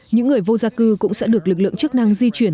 những người vô gia cư cũng sẽ được lực lượng chức năng di chuyển